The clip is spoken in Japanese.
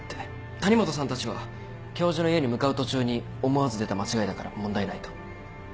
谷本さんたちは教授の家に向かう途中に思わず出た間違いだから問題ないと。